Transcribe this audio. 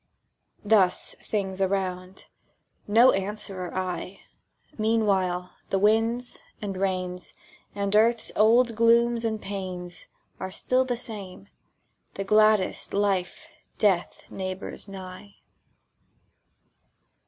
Thus things around. No answerer I ... Meanwhile the winds, and rains, And Earth's old glooms and pains Are still the same, and gladdest Life Death neighbours nigh.